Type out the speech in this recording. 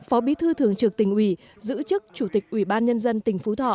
phó bí thư thường trực tỉnh ủy giữ chức chủ tịch ủy ban nhân dân tỉnh phú thọ